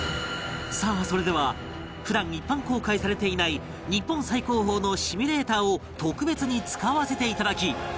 さあそれでは普段一般公開されていない日本最高峰のシミュレーターを特別に使わせていただき